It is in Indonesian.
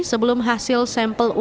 sebelum hasil sampel uji susu